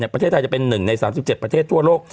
ประเทศไทยจะเป็น๑ใน๓๗ประเทศทั่วโลก